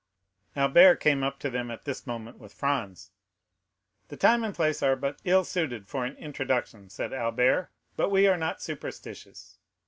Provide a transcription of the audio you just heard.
Albert came up to them at this moment with Franz. "The time and place are but ill suited for an introduction." said Albert; "but we are not superstitious.